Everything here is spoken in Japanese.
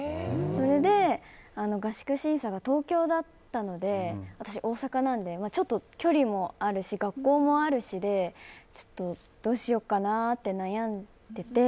それで合宿審査が東京だったので私、大阪なのでちょっと距離もあるし学校もあるしでどうしようかなって悩んでて。